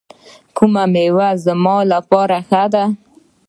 کومه میوه زما لپاره ښه ده؟